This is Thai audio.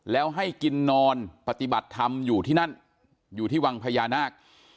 แล้วให้กินนอนปฏิบัติธรรมอยู่ที่นั่นอยู่ที่วังพญานาค